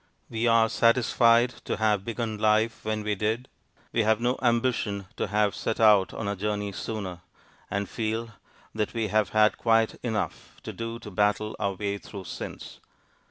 We are satisfied to have begun life when we did; we have no ambition to have set out on our journey sooner; and feel that we have had quite enough to do to battle our way through since.